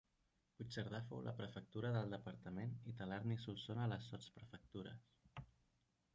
Puigcerdà fou la prefectura del departament i Talarn i Solsona les sotsprefectures.